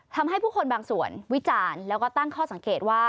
ทำให้ผู้คนบางส่วนวิจารณ์แล้วก็ตั้งข้อสังเกตว่า